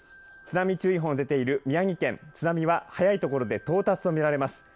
津波注意報が出ている宮城県、津波は早い所で到達と見られます。